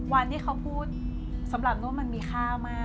วันที่เขาพูดสำหรับนวดมันมีค่ามาก